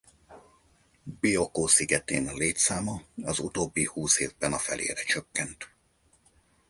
Bioko szigetén létszáma az utóbbi húsz évben a felére csökkent.